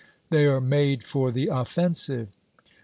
They are made for the offensive.